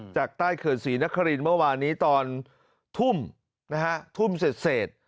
จากใต้เขื่อนศรีนครินทร์เมื่อวานนี้ตอนทุ่มนะฮะทุ่มเสร็จ